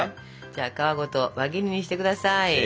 じゃあ皮ごと輪切りにして下さい。